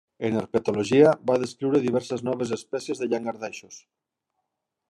En herpetologia va descriure diverses noves espècies de llangardaixos.